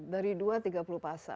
dari dua tiga puluh pasal